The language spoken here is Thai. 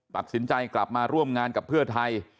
ตัดสินใจกลับมาร่วมงานกับเพื่อไทย